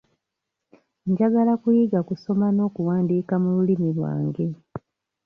Njagala kuyiga kusoma n'okuwandiika mu lulimi lwange.